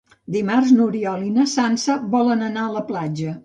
Dimarts n'Oriol i na Sança volen anar a la platja.